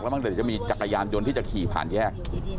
แล้วบางทีจะมีจักรยานยนต์ที่จะขี่ผ่านแยก